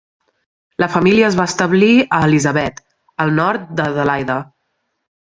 La família es va establir a Elizabeth, al nord d'Adelaida.